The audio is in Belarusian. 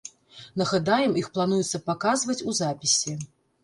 Нагадаем, іх плануецца паказваць у запісе.